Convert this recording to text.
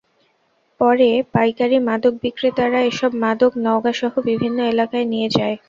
পরে পাইকারি মাদক বিক্রেতারা এসব মাদক নওগাঁসহ বিভিন্ন এলাকায় নিয়ে যান।